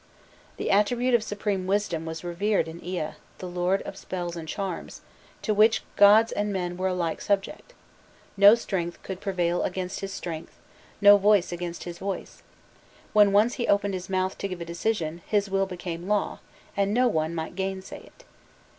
The attribute of supreme wisdom was revered in Ea, the lord of spells and charms, to which gods and men were alike subject: no strength could prevail against his strength, no voice against his voice: when once he opened his mouth to give a decision, his will became law, and no one might gainsay it.